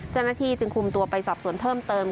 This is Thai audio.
เจ้าหน้าที่จึงคุมตัวไปสอบสวนเพิ่มเติม